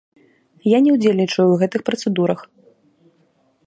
Я не ўдзельнічаю ў гэтых працэдурах.